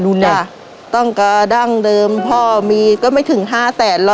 อเรนนี่ต้องกระดั้งเดิมพ่อมีก็ไม่ถึง๕๐๐๐๐๐บาท